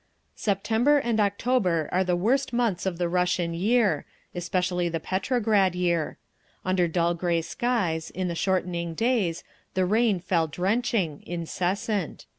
September and October are the worst months of the Russian year—especially the Petrograd year. Under dull grey skies, in the shortening days, the rain fell drenching, incessant.